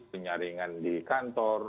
penyaringan di kantor